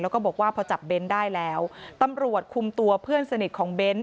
แล้วก็บอกว่าพอจับเน้นได้แล้วตำรวจคุมตัวเพื่อนสนิทของเบ้น